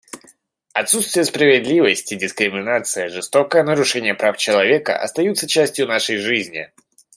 Отсутствие справедливости, дискриминация, жестокое нарушение прав человека остаются частью нашей жизни.